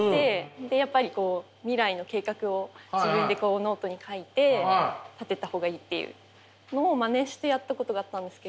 でやっぱり未来の計画を自分でノートに書いて立てた方がいいっていうのをまねしてやったことがあったんですけど。